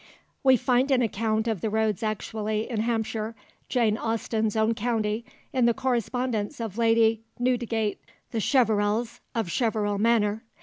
We find an account of the roads actually in Hampshire, Jane Austen's own county, in the correspondence of Lady Newdigate (The Cheverels of Cheverel Manor).